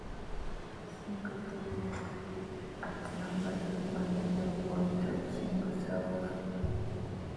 The single debuted at number three on the "Billboard" Top Single Sales.